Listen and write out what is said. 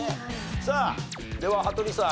さあでは羽鳥さん。